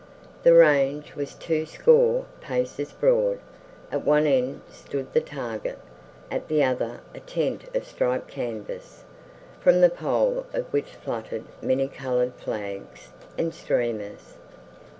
The range was twoscore paces broad. At one end stood the target, at the other a tent of striped canvas, from the pole of which fluttered many colored flags and streamers.